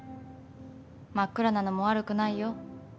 真っ暗なのも悪くないよ。